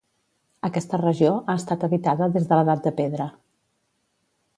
Aquesta regió ha estat habitada des de l'Edat de Pedra.